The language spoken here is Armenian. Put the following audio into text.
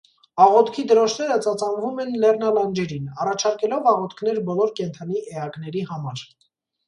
Աղոթքի դրոշները ծածանվում են լեռնալանջերին՝ առաջարկելով աղոթքներ բոլոր կենդանի էակների համար։